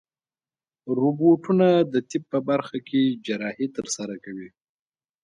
روبوټونه د طب په برخه کې جراحي ترسره کوي.